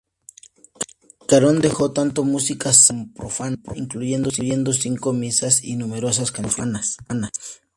Caron dejó tanto música sacra como profana, incluyendo cinco misas y numerosas canciones profanas.